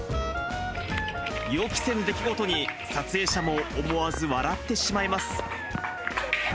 予期せぬ出来事に、撮影者も思わず笑ってしまいます。